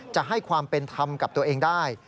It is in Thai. จะให้ความเป็นธรรมกับตัวเองได้